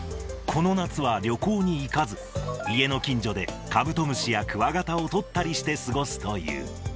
この夏は旅行に行かず、家の近所でカブトムシやクワガタを捕ったりして過ごすという。